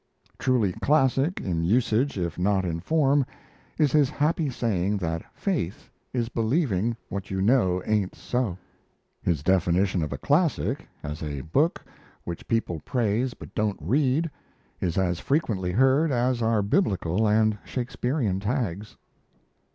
Truly classic, in usage if not in form, is his happy saying that faith is believing what you know ain't so. His definition of a classic as a book which people praise but don't read, is as frequently heard as are Biblical and Shakespearian tags.